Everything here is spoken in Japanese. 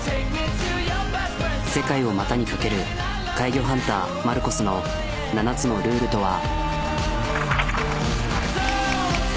世界を股にかける怪魚ハンターマルコスの７つのルールとは。